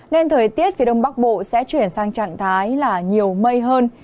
nên thời tiết phía đông bắc bộ sẽ chuyển sang trạng thái là nhiều mây hơn